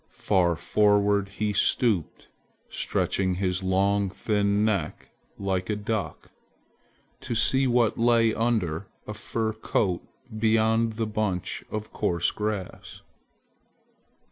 Far forward he stooped, stretching his long thin neck like a duck, to see what lay under a fur coat beyond the bunch of coarse grass.